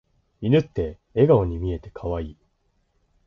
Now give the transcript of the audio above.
犬って笑顔に見えて可愛い。